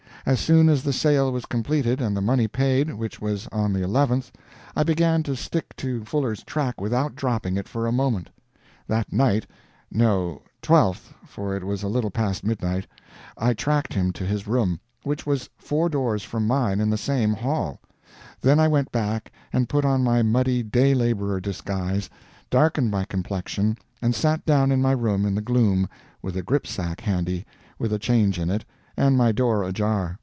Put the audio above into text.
As soon as the sale was completed and the money paid which was on the 11th I began to stick to Fuller's track without dropping it for a moment. That night no, 12th, for it was a little past midnight I tracked him to his room, which was four doors from mine in the same hall; then I went back and put on my muddy day laborer disguise, darkened my complexion, and sat down in my room in the gloom, with a gripsack handy, with a change in it, and my door ajar.